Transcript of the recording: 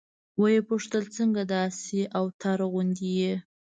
ويې پوښتل څنگه داسې اوتر غوندې يې.